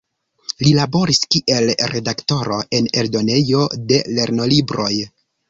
Li laboris kiel redaktoro en eldonejo de lernolibroj.